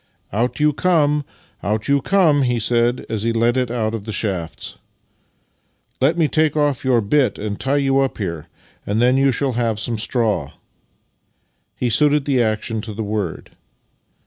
" Out you come, out j^ou come," he said as he led it out of the shafts. " Let me take off your bit and tie you up here, and then you shall have some straw." He suited the action to the word.